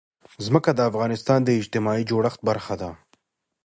ځمکه د افغانستان د اجتماعي جوړښت برخه ده.